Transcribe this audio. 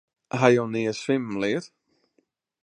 Ha jo nea swimmen leard?